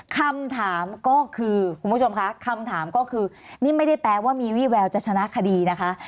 คำถามก็คือคุณผู้ชมคะคำถามก็คือนี่ไม่ได้แปลว่ามีวี่แววจะชนะคดีนะคะ